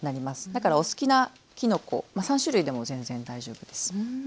だからお好きなきのこ３種類でも全然大丈夫です。